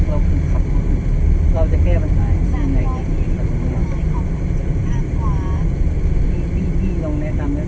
ว่าทำไมรู้ว่าเขาผิดตามสนามบินแค่นั้นแล้วว่าเขาเสียค่าปรับให้อะไรประมาณนั้นแค่นั้น